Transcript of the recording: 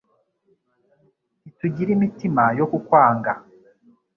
Ntitugira imitima yo kukwanga,